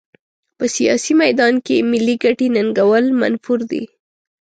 په سیاسي میدان کې ملي ګټې ننګول منفور دي.